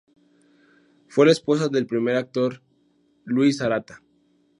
Fue la esposa del primer actor Luis Arata.